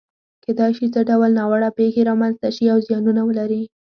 کېدای شي څه ډول ناوړه پېښې رامنځته شي او زیانونه ولري؟